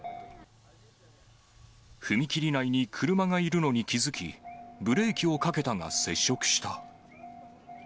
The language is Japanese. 踏切内に車がいるのに気付き、ブレーキをかけたが接触した。